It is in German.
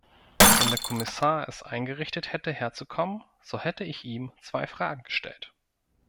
Wenn der Kommissar es eingerichtet hätte herzukommen, so hätte ich ihm zwei Fragen gestellt.